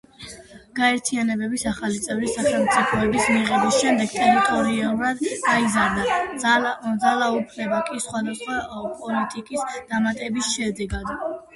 გაერთიანებები ახალი წევრი სახელმწიფოების მიღების შედეგად ტერიტორიულად გაიზარდა, ძალაუფლება კი სხვადასხვა პოლიტიკის დამატების შედეგად.